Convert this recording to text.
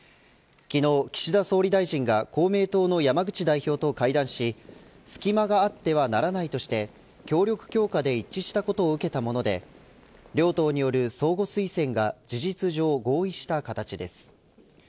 昨日、岸田総理大臣が公明党の山口代表と会談し隙間があってはならないとして協力強化で一致したことを受けたもので両党による相互推薦が事実上合意した形です。